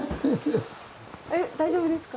えっ大丈夫ですか？